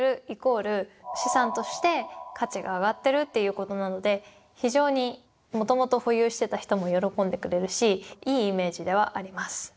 イコール資産として価値が上がってるっていうことなので非常にもともと保有してた人も喜んでくれるしいいイメージではあります。